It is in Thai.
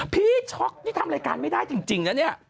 ช็อกนี่ทำรายการไม่ได้จริงนะเนี่ย